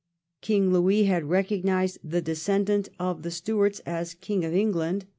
King Louis had recog nised the descendant of the Stuarts as King of England VOL.